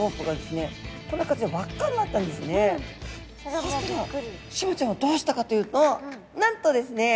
そしたらシマちゃんはどうしたかというとなんとですね